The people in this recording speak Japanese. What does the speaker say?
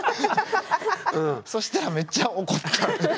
そしたらめっちゃ怒ったんで。